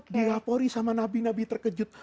dirapori sama nabi nabi terkejut